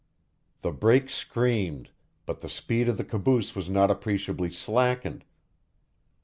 The brake screamed, but the speed of the caboose was not appreciably slackened.